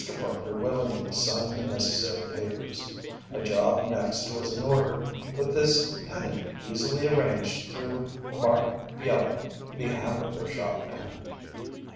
Parker willingly signed the necessary papers. A job next was in order, but this Penny easily arranged through Mark Fiello, the hamburger shop man.